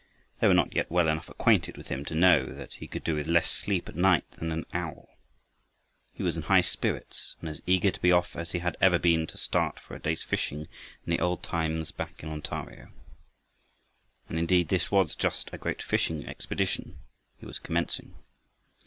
They were not yet well enough acquainted with him to know that he could do with less sleep at night than an owl. He was in high spirits and as eager to be off as he had ever been to start for a day's fishing in the old times back in Ontario. And indeed this was just a great fishing expedition he was commencing.